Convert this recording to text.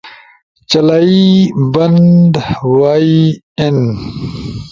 چلائی/ بند، وائی، این